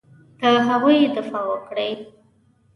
د هغوی دفاع وکړي.